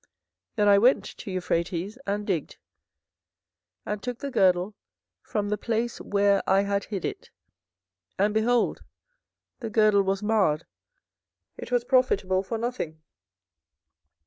24:013:007 Then I went to Euphrates, and digged, and took the girdle from the place where I had hid it: and, behold, the girdle was marred, it was profitable for nothing.